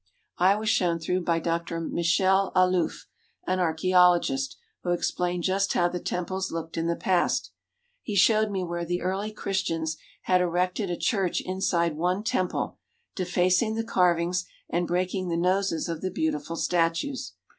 I was shown through by Dr. Michel Alouf, an archaeologist, who explained just how the temples looked in the past. He showed me where the early Christians had erected a church inside one temple, defacing the carvings and breaking the noses of the beautiful statues.